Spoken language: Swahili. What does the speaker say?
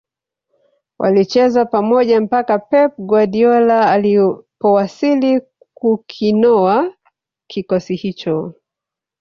Walicheza pamoja mpaka Pep Guardiola alipowasili kukinoa kikosi hicho